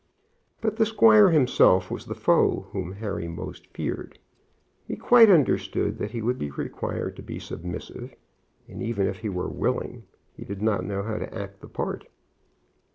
But the squire himself was the foe whom Harry most feared. He quite understood that he would be required to be submissive, and, even if he were willing, he did not know how to act the part.